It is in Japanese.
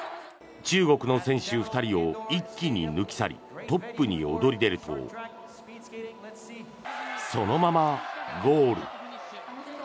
中国の選手２人を一気に抜き去りトップに躍り出るとそのままゴール。